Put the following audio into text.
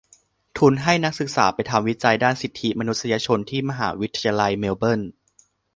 ทุนให้นักศึกษาไปทำวิจัยด้านสิทธิมนุษยชนที่มหาวิทยาลัยเมลเบิร์น